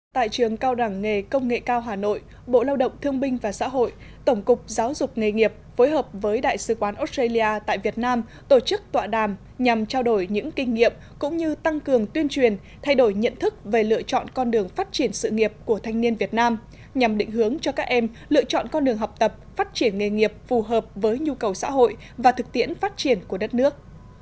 tại trường cao đẳng nghề công nghệ cao hà nội bộ lao động thương binh và xã hội tổng cục giáo dục nghề nghiệp phối hợp với đại sứ quán australia tại việt nam tổ chức tọa đàm nhằm trao đổi những kinh nghiệm cũng như tăng cường tuyên truyền thay đổi nhận thức về lựa chọn con đường phát triển sự nghiệp của thanh niên việt nam nhằm định hướng cho các em lựa chọn con đường học tập phát triển nghề nghiệp phù hợp với nhu cầu xã hội và thực tiễn phát triển của đất nước